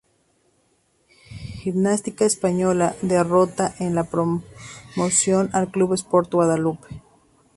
Gimnástica Española derrota en la promoción al Club Sport Guadalupe.